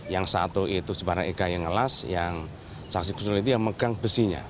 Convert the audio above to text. yang satu itu sebarang ega yang ngelas yang saksi kusun itu yang megang besinya